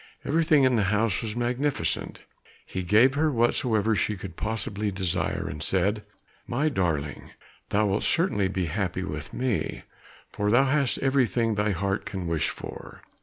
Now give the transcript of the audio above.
Everything in the house was magnificent; he gave her whatsoever she could possibly desire, and said, "My darling, thou wilt certainly be happy with me, for thou hast everything thy heart can wish for."